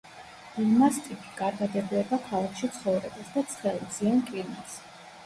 ბულმასტიფი კარგად ეგუება ქალაქში ცხოვრებას და ცხელ, მზიან კლიმატს.